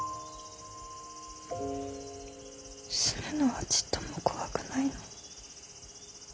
死ぬのはちっとも怖くないの。